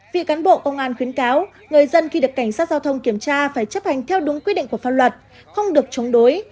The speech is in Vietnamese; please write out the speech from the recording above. vì cán bộ công an khuyến cáo người dân khi được cảnh sát giao thông kiểm tra phải chấp hành theo đúng quy định của pháp luật không được chống đối